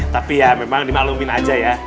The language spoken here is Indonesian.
tapi ya memang dimaklumin aja ya